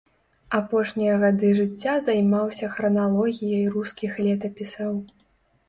Апошнія гады жыцця займаўся храналогіяй рускіх летапісаў.